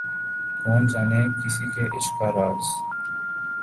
کون جانے کسی کے عشق کا راز